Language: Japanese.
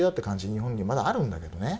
日本にまだあるんだけどね。